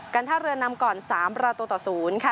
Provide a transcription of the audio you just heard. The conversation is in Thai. ท่าเรือนำก่อน๓ประตูต่อ๐ค่ะ